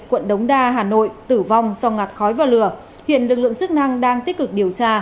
quận đống đa hà nội tử vong do ngạt khói vào lửa hiện lực lượng chức năng đang tích cực điều tra